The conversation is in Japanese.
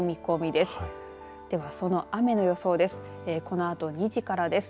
では、その雨の予想です。